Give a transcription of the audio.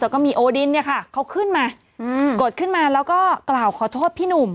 ก็มีโอดินเนี่ยค่ะเขาขึ้นมากดขึ้นมาแล้วก็กล่าวขอโทษพี่หนุ่ม